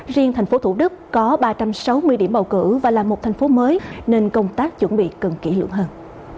riêng tp thủ đức có ba trăm sáu mươi điểm bầu cử và là một thành phố mới nên công tác chuẩn bị cần kỹ lưỡng hơn